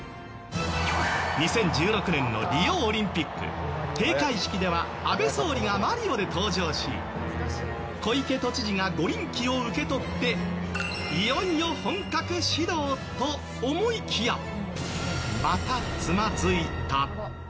２０１６年のリオオリンピック閉会式では安倍総理がマリオで登場し小池都知事が五輪旗を受け取っていよいよ本格始動と思いきやまたつまずいた。